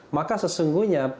maka sesungguhnya presidennya